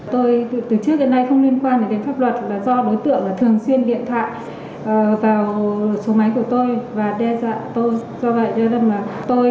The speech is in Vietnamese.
tôi từ trước đến nay không liên quan đến pháp luật là do đối tượng thường xuyên điện thoại vào số máy của tôi và đe dọa tôi